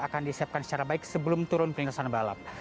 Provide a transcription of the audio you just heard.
akan disiapkan secara baik sebelum turun peningkatan balap